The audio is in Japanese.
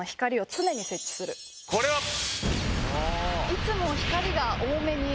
いつも光が多めに